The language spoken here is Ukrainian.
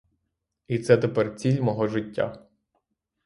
І це тепер ціль мого життя.